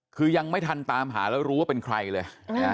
คือยังไม่ทันตามหาแล้วรู้ว่าเป็นใครเลย